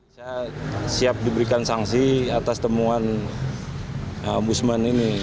saya siap diberikan sanksi atas temuan om budsman ini